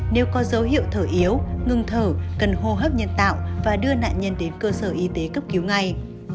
nếu có dấu hiệu thở yếu ngừng thở cần hô hấp nhân tạo và đưa nạn nhân đến cơ sở y tế cấp cứu ngay